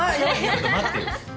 ちょっと待ってよ。